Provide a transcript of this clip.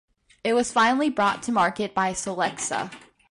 It was finally brought to market by Solexa.